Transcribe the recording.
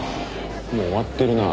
もう終わってるな。